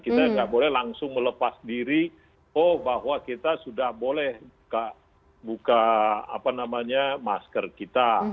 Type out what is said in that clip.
kita nggak boleh langsung melepas diri oh bahwa kita sudah boleh buka masker kita